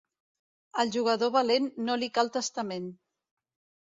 Al jugador valent, no li cal testament.